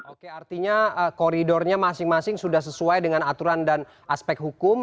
oke artinya koridornya masing masing sudah sesuai dengan aturan dan aspek hukum